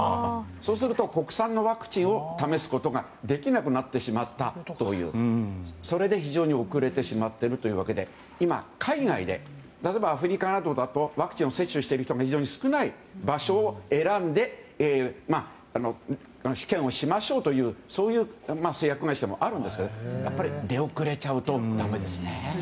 そうすると国産のワクチンを試すことができなくなってしまったというそれで非常に遅れてしまっているというわけで今、海外で例えばアフリカなどだとワクチンを接種している人が非常に少ない場所を選んで試験をしましょうという製薬会社もあるんですけどやっぱり出遅れちゃうとだめですね。